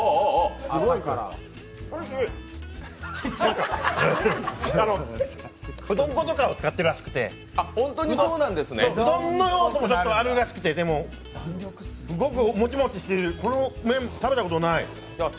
おいしい、うどん粉とかを使ってるらしくてうどんの要素もちょっとあるらしくて、すごくもちもちしてる、この麺、食べたことない。